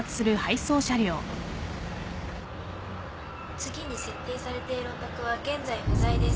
次に設定されているお宅は現在不在です。